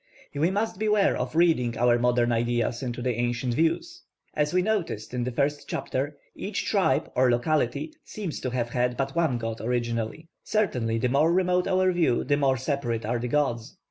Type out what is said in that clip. We must beware of reading our modern ideas into the ancient views. As we noticed in the first chapter, each tribe or locality seems to have had but one god originally; certainly the more remote our view, the more separate are the gods.